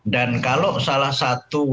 dan kalau salah satu